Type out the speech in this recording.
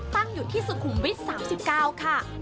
ตั้งอยู่ที่สุขุมวิท๓๙ค่ะ